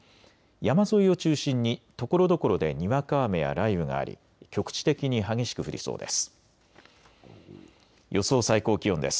山沿いを中心にところどころでにわか雨や雷雨があり局地的に激しく降りそうです。